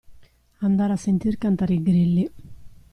Andare a sentir cantare i grilli.